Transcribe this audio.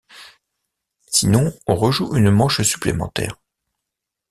Sinon, on rejoue une manche supplémentaire.